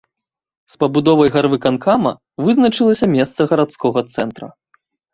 З пабудовай гарвыканкама вызначылася месца гарадскога цэнтра.